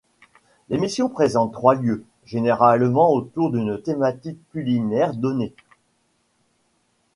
L'émission présente trois lieux, généralement autour d'une thématique culinaire donnée.